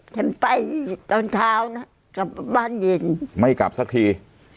ฉันไปตอนเช้านะกลับบ้านเย็นไม่กลับสักที